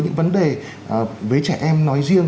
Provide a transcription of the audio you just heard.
những vấn đề với trẻ em